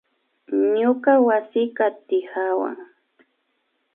Ñuka wasikan tikawan